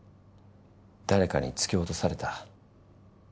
誰かに突き落とされた。